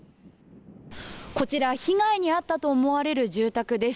こちら被害に遭ったと思われる住宅です。